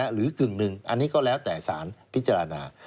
กึ่งหนึ่งอันนี้ก็แล้วแต่สารพิจารณา